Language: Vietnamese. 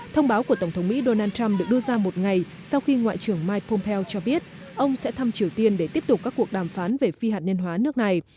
thông báo của tổng thống mỹ donald trump được đưa ra một ngày sau khi ngoại trưởng mike pompeo cho biết ông sẽ thăm triều tiên để tiếp tục các cuộc đàm phán về phi hạt nhân hóa nước này